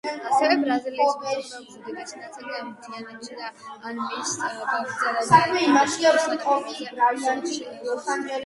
ასევე, ბრაზილიის მოსახლეობის უდიდესი ნაწილი ამ მთიანეთში ან მის გაგრძელება ვიწრო სანაპირო ზოლში სახლობს.